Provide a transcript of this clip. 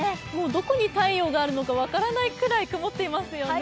どこに太陽があるのか分からないくらい曇ってますよね。